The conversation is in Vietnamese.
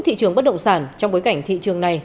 thị trường bất động sản trong bối cảnh thị trường này